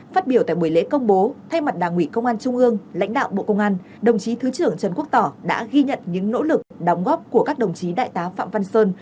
phát biểu tại buổi lễ công bố thay mặt đảng ủy công an trung ương lãnh đạo bộ công an đồng chí thứ trưởng trần quốc tỏ đã ghi nhận những nỗ lực đóng góp của các đồng chí đại tá phạm văn sơn